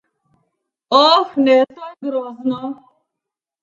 Oh ne, to je grozno!